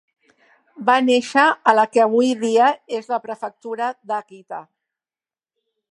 Va néixer a la que avui dia és la prefectura d'Akita.